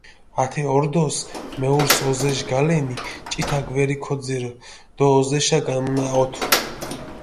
ართი ორდოს მეურს ოზეში გალენი, ჭითა გვერი ქოძირჷ დო ოზეშა გამნაჸოთჷ.